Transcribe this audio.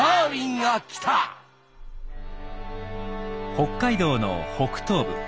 北海道の北東部。